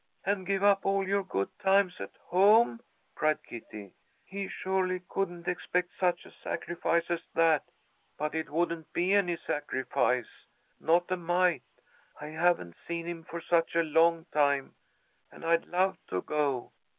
"And give up all your good times at home?" cried Kitty. "He surely couldn't expect such a sacrifice as that." "But it wouldn't be any sacrifice. Not a mite! I haven't seen him for such a long time, and I'd love to go.